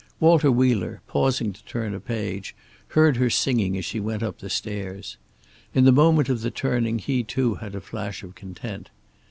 Walter Wheeler, pausing to turn a page, heard her singing as she went up the stairs. In the moment of the turning he too had a flash of content.